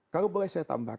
kalau boleh saya tambahkan